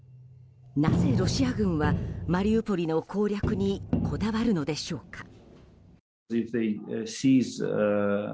なぜロシア軍はマリウポリの攻略にこだわるのでしょうか。